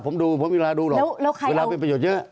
ผมดูผมมีเวลาดูหรอกเวลาเป็นประโยชน์เยอะ